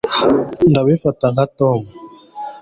ndabifata nka tom